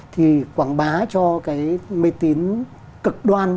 thì quảng bá cho cái mê tín cực đoan